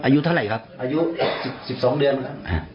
อายุเท่าไหร่ครับอายุสิบสองเดือนครับฮะ